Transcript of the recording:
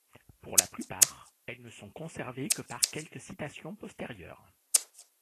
Pour la plupart, elles ne sont conservées que par quelques citations postérieures.